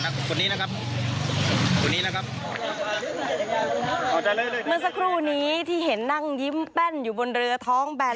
เมื่อสักครู่นี้ที่เห็นนั่งยิ้มแป้นอยู่บนเรือท้องแบน